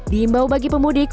diimbau bagi pemudik